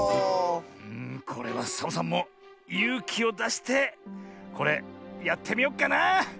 これはサボさんもゆうきをだしてこれやってみよっかなあ。